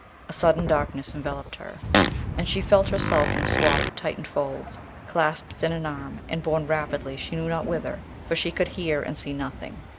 a sudden darkness enveloped her, and she felt herself in the swathe of tightened folds, clasped in an arm, and borne rapidly she knew not whither, for she could hear and see nothing.